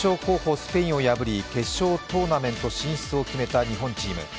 スペインを破り、決勝トーナメント進出を決めた日本チーム。